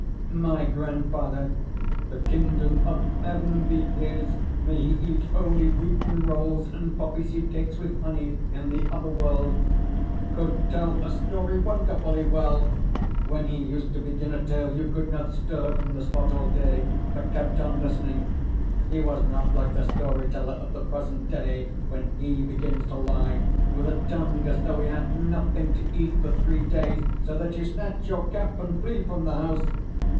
My grandfather (the kingdom of heaven be his! may he eat only wheaten rolls and poppy seed cakes with honey in the other world!) could tell a story wonderfully well. When he used to begin a tale you could not stir from the spot all day, but kept on listening. He was not like the story teller of the present day, when he begins to lie, with a tongue as though he had had nothing to eat for three days, so that you snatch your cap and flee from the house.